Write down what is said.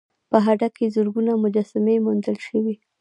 په هډه کې زرګونه مجسمې موندل شوي